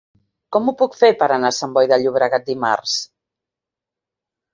Com ho puc fer per anar a Sant Boi de Llobregat dimarts?